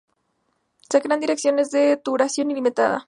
Se crean direcciones de duración ilimitada